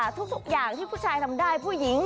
ทุกอย่างที่ผู้ชายทำได้ผู้หญิง